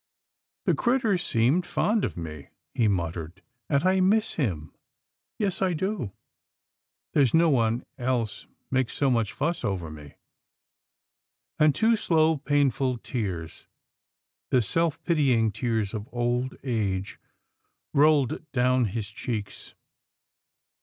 " The critter seemed fond of me," he muttered, " and I miss him — yes, I do — there's no one else makes so much fuss over me," and two slow painful tears — the self pitying tears of old age, rolled slowly down his cheeks.